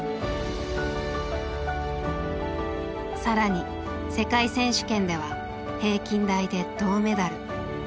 更に世界選手権では平均台で銅メダル。